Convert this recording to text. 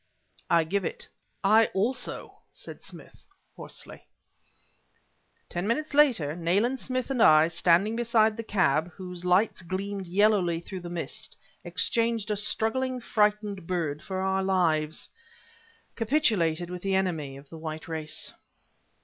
"I give it." "I, also," said Smith, hoarsely. Ten minutes later, Nayland Smith and I, standing beside the cab, whose lights gleamed yellowly through the mist, exchanged a struggling, frightened bird for our lives capitulated with the enemy of the white race.